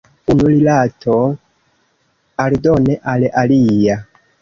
Unu rilato aldone al alia.